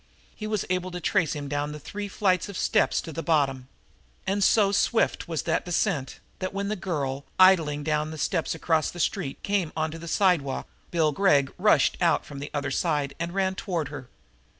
He was able to trace him down all the three flights of steps to the bottom. And so swift was that descent that, when the girl, idling down the steps across the street, came onto the sidewalk, Bill Gregg rushed out from the other side and ran toward her.